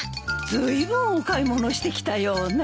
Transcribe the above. ずいぶんお買い物してきたようね。